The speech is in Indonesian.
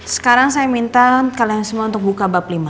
sekarang saya minta kalian semua untuk buka bab lima